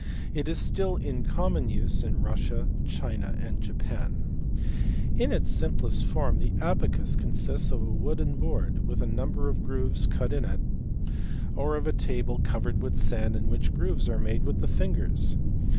It is still in common use in Russia, China, and Japan. In its simplest form (fig. i) the abacus consists of a wooden board with a number of grooves cut in it, or of a table covered with sand in which grooves are made with the fingers.